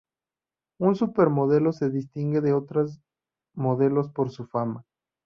Un supermodelo se distingue de otras modelos por su fama.